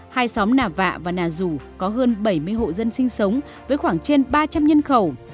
hai xóm nà vạ và nà dù có hơn bảy mươi hộ dân sinh sống với khoảng trên ba trăm linh nhân khẩu